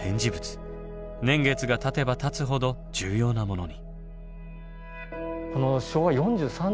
年月がたてばたつほど重要なものに。